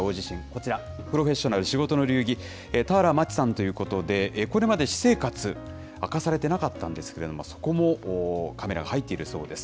こちら、プロフェッショナル仕事の流儀、俵万智さんということで、これまで私生活明かされてなかったんですけれども、そこもカメラが入っているそうです。